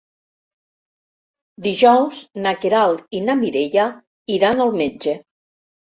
Dijous na Queralt i na Mireia iran al metge.